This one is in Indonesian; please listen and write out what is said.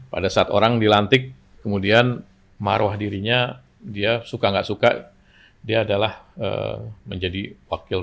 pada saat orang dilantik kemudian maruah dirinya dia suka nggak suka dia adalah menjadi wakil